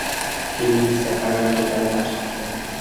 তিনি স্যাকরার দোকানে কাজ করতেন।